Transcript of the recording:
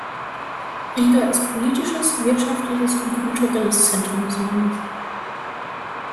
Riga ist politisches, wirtschaftliches und kulturelles Zentrum des Landes.